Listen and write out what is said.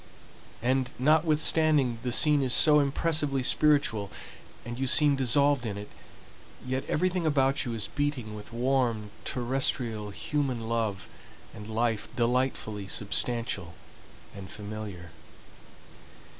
And notwithstanding the scene is so impressively spiritual, and you seem dissolved in it, yet everything about you is beating with warm, terrestrial, human love and life delightfully substantial and familiar.